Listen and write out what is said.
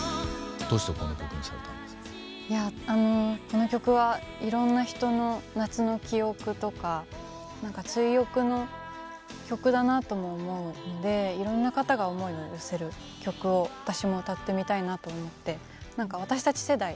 この曲はいろんな人の夏の記憶とか何か追憶の曲だなとも思うのでいろんな方が思いを寄せる曲を私も歌ってみたいなと思って何か私たち世代